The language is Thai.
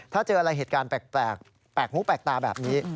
ถ้าเจออะไรเหตุการณ์แปลกแปลกหูแปลกตาแบบนี้